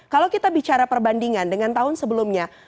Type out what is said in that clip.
kalau kita bicara perbandingan dengan tahun sebelumnya